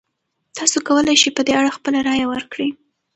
تاسو کولی شئ په دې اړه خپله رایه ورکړئ.